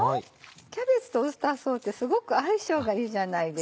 キャベツとウスターソースってすごく相性がいいじゃないですか。